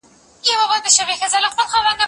دا کار له هغه ګټور دي